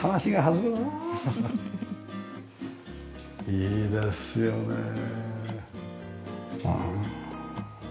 いいですよねえ。